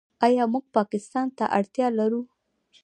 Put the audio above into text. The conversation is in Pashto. آیا موږ پاکستان ته اړتیا لرو؟